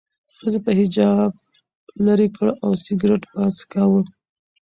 ښځې به حجاب لرې کړ او سیګرټ به څکاوه.